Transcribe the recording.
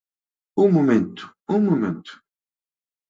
¡Un momento, un momento!